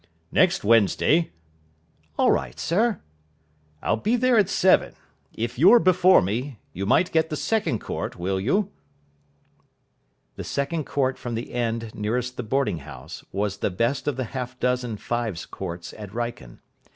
"Next Wednesday?" "All right, sir." "I'll be there at seven. If you're before me, you might get the second court, will you?" The second court from the end nearest the boarding house was the best of the half dozen fives courts at Wrykyn.